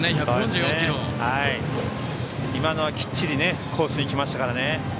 きっちりコースに行きましたからね。